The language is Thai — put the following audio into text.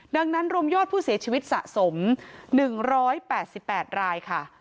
ดังนั้นรวมยอดผู้เสียชีวิตสะสม๑๘๘รายค่ะ